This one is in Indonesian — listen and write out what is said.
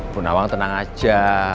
bu nawang tenang aja